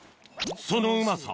そのうまさ